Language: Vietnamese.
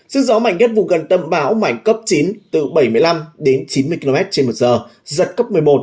số gió mảnh nhất vụ gần tâm báo mảnh cấp chín từ bảy mươi năm đến chín mươi km trên một giờ giật cấp một mươi một